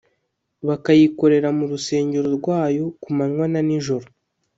bakayikorera mu rusengero rwayo ku manywa na nijoro,